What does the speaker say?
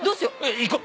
行こう。